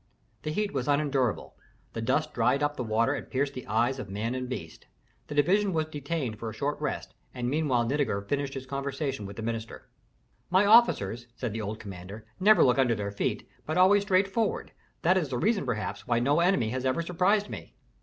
The heat was unendurable, the dust dried up the water and pierced the eyes of man and beast. The division was detained for a short rest, and meanwhile Nitager finished his conversation with the minister. "My officers," said the old commander, "never look under their feet, but always straight forward." "That is the reason, perhaps, why no enemy has ever surprised me."